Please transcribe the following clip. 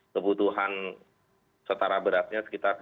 kebutuhan setara berasnya sekitar sepuluh rupiah